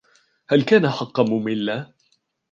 هل كان حقا مملا ؟